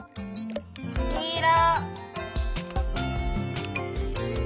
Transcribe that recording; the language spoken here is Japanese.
きいろ！